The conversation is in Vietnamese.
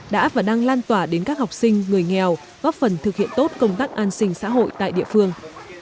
đã và đang lan tỏa đến các học sinh người nghèo góp phần thực hiện tốt công tác an sinh xã hội tại địa phương